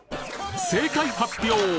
正解発表！